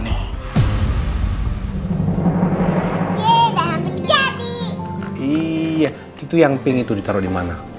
iya itu yang pink itu ditaruh di mana